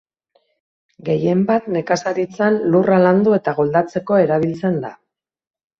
Gehien bat nekazaritzan lurra landu eta goldatzeko erabiltzen da.